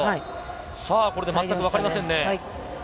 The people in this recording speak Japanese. これで８対６、わかりませんね。